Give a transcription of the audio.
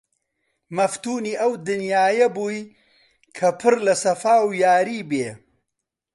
مەفتونی ئەو دنیایە بووی کە پڕ لە سەفا و یاری بێ!